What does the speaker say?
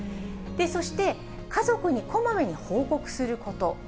そして、家族にこまめに報告すること。